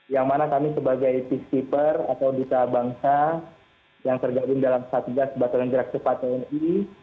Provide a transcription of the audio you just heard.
yang mana kami sebagai peacekeeper atau duka bangsa yang tergabung dalam satgas batalan gerak sepat tni